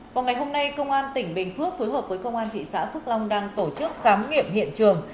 vào ngày hôm nay công an tỉnh bình phước phối hợp với công an thị xã phước long đang tổ chức khám nghiệm hiện trường